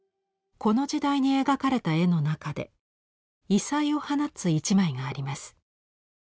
この時代に描かれた絵の中で異彩を放つ一枚があります。